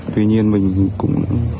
tuy nhiên mình cũng